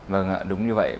vâng ạ đúng như vậy